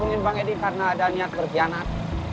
ini karena ada niat berjianat